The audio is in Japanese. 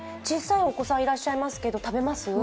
小さいお子さんいらっしゃいますが、食べます？